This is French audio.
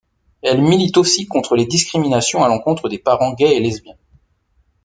Elle milite aussi contre les discriminations à l'encontre des parents gays et lesbiens.